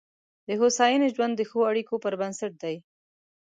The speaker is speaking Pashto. د هوساینې ژوند د ښو اړیکو پر بنسټ دی.